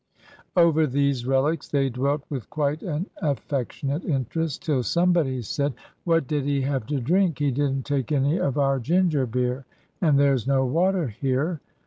Over these relics they dwelt with quite an affectionate interest, till somebody said "What did he have to drink? He didn't take any of our ginger beer, and there's no water here."